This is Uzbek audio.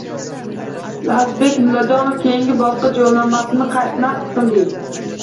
Lazizbek Mullajonov keyingi bosqich yo‘llanmasini naqd qilding